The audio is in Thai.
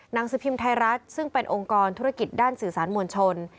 หนังสือพิมพ์ไทยรัฐซึ่งเป็นองค์กรธุรกิจด้านสื่อสารมวลชน